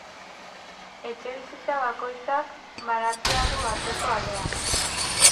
Etxebizitza bakoitzak baratzea du atzeko aldean.